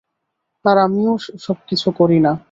আর আমি ও-সব কিছু করি না।